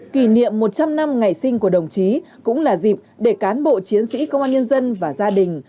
kỷ niệm một trăm linh năm ngày sinh của đồng chí cũng là dịp để cán bộ chiến sĩ công an nhân dân và gia đình